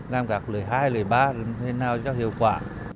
làm cả lời hai lời ba thế nào cho hiệu quả